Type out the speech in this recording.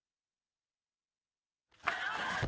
เฮ้ย